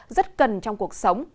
rất cần trong cuộc sống